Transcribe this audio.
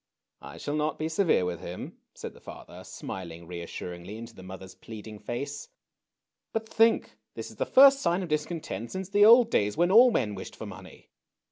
"I shall not be severe with him," said the father, smiling reassuringly into the mother's pleading face. " But think : this is the first sign of discontent since the old days when all men wished for money.